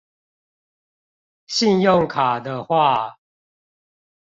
信用卡的話